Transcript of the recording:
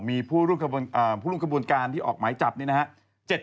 มีผู้ร่วมขบวนการที่ออกหมายจับเนี่ยนะฮะ